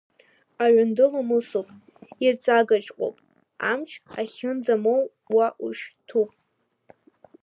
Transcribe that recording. Аҩнду ламысуп, ирҵагашәҟәуп, Амч ахьынӡамоу уа ушәҭуп.